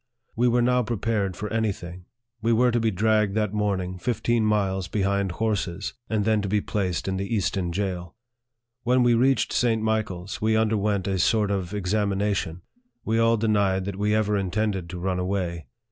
We were now prepared for any thing. We were to be dragged that morning fifteen miles behind horses, and then to be placed in the Easton jail. When we reached St. Michael's, we underwent a sort of examination. We all denied that we ever intended to run away.